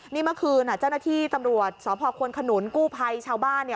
นี่เมื่อคืนเจ้าหน้าที่ตำรวจสพควนขนุนกู้ภัยชาวบ้าน